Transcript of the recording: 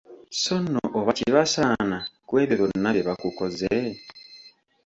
So nno oba kibasaana ku ebyo byonna bye bakukoze!